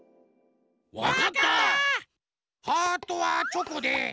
ハートはチョコで。